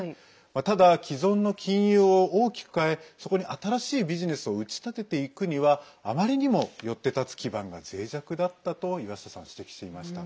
ただ、既存の金融を大きく変えそこに新しいビジネスを打ち立てていくにはあまりにもよって立つ基盤がぜい弱だったと岩下さんは指摘していました。